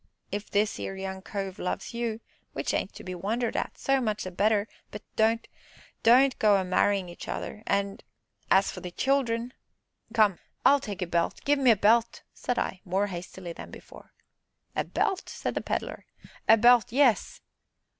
if this 'ere young cove loves you which ain't to be wondered at so much the better, but don't don't go a marryin' each other, an' as for the children " "Come I'll take a belt give me a belt!" said I, more hastily than before. "A belt?" said the Pedler. "A belt, yes."